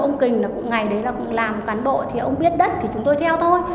ông kinh là ngày đấy là cũng làm cán bộ thì ông biết đất thì chúng tôi theo thôi